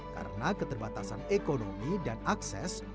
karena keterbatasan ekonomi dan akses